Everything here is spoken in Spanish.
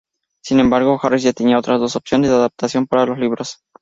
Sin embargo, Harris ya tenía otras dos opciones de adaptación para los libros.